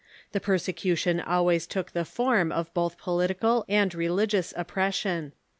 The perse cution always took the form of both political and religious oppression.